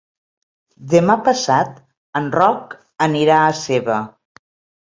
Demà passat en Roc anirà a Seva.